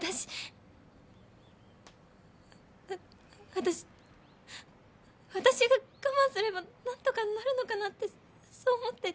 私私私が我慢すればなんとかなるのかなってそう思って。